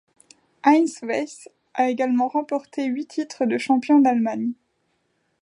Heinz Weis a également remporté huit titres de champion d'Allemagne.